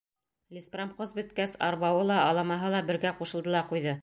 Леспромхоз бөткәс, арбауы ла, аламаһы ла бергә ҡушылды ла ҡуйҙы.